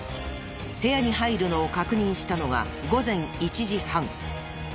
部屋に入るのを確認したのが午前１時半。